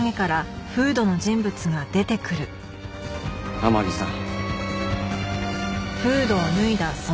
天樹さん。